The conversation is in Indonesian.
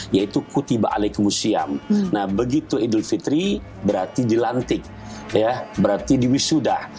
yaitu qutiba alaikumusiam nah begitu idul fitri berarti dilantik ya berarti diwisudah